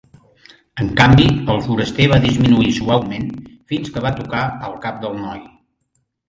En canvi, el foraster va disminuir suaument, fins que va tocar el cap del noi.